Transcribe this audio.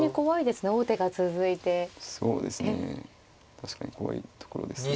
確かに怖いところですが。